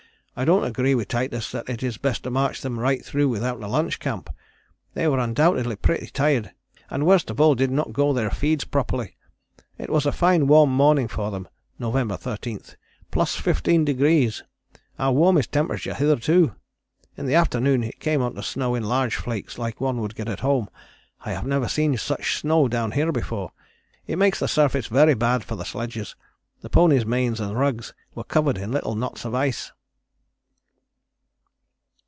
"I don't agree with Titus that it is best to march them right through without a lunch camp. They were undoubtedly pretty tired, and worst of all did not go their feeds properly. It was a fine warm morning for them (Nov. 13); +15°, our warmest temperature hitherto. In the afternoon it came on to snow in large flakes like one would get at home. I have never seen such snow down here before; it makes the surface very bad for the sledges. The ponies' manes and rugs were covered in little knots of ice."